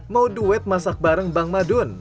mau duet masak bareng bang madun